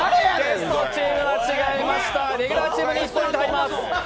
レギュラーチームに１ポイント入ります。